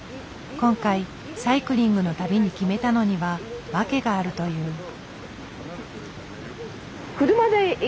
今回サイクリングの旅に決めたのには訳があるという。